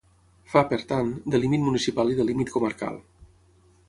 Fa, per tant, de límit municipal i de límit comarcal.